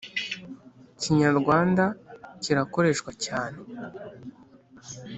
Kinyarwanda kirakoreshwa cyane